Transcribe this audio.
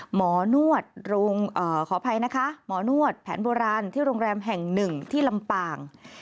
หมอนวดขออภัยนะคะหมอนวดแผนโบราณที่โรงแรมแห่งหนึ่งที่ลำปาง